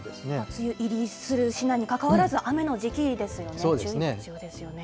梅雨入りする、しないにかかわらず、雨の時期ですよね。